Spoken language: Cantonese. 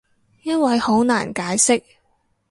因為好難解釋